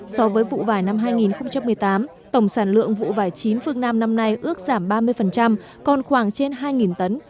so với vụ vải năm hai nghìn một mươi tám tổng sản lượng vụ vải chín phương nam năm nay ước giảm ba mươi còn khoảng trên hai tấn